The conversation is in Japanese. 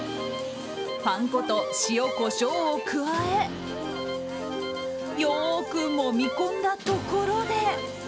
パン粉と塩、コショウを加えよくもみ込んだところで。